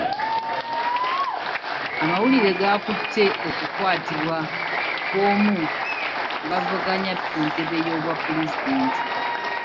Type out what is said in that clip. Amawulire gaakutte okukwatibwa kw'omu ku bavuganya ku ntebe y'obwa pulezidenti.